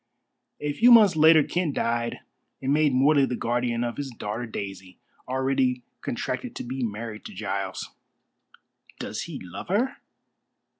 A few months later Kent died and made Morley the guardian of his daughter Daisy, already contracted to be married to Giles." "Does he love her?"